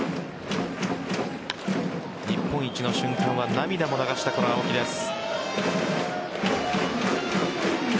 日本一の瞬間は涙も流した青木です。